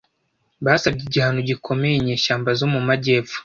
Basabye igihano gikomeye inyeshyamba zo mu majyepfo.